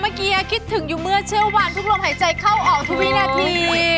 เมื่อกี้คิดถึงอยู่เมื่อเชื่อวันทุกลมหายใจเข้าออกทุกวินาที